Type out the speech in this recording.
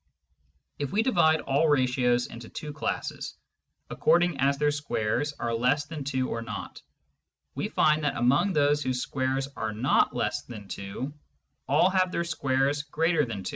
If we divide all ratios into two classes, according as their squares are less than 2 or not, we find that, among those whose squares are not less than 2, all have their squares greater than 2.